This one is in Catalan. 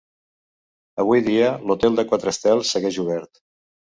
Avui dia, l'hotel de quatre estels segueix obert.